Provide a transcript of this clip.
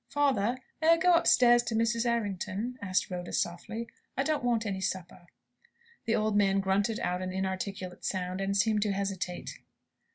"Father, may I go upstairs to Mrs. Errington?" asked Rhoda, softly; "I don't want any supper." The old man grunted out an inarticulate sound, and seemed to hesitate.